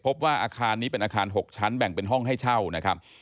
พบว่าอาคารนี้เป็นอาคาร๖ชั้นแบ่งเป็นห้องให้เช่านะครับ